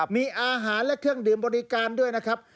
มีอาหารและเครื่องดื่มบริการด้วยนะครับ